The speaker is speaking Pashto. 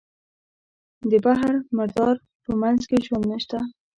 د بحر مردار په منځ کې ژوند نشته.